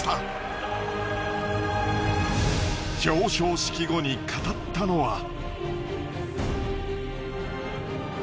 表彰式後に語ったのは。